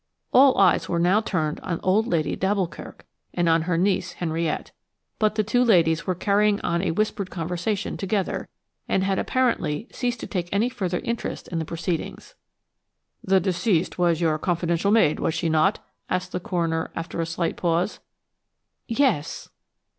All eyes were now turned on old Lady d'Alboukirk and on her niece Henriette, but the two ladies were carrying on a whispered conversation together, and had apparently ceased to take any further interest in the proceedings. "The deceased was your confidential maid, was she not?" asked the coroner, after a slight pause. "Yes."